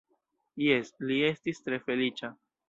Jes, li estis tre feliĉa.